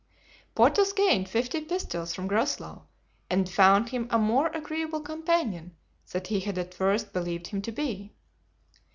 Porthos gained fifty pistoles from Groslow, and found him a more agreeable companion than he had at first believed him to be.